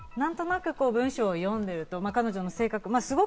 何となく文章を読んでいると彼女の性格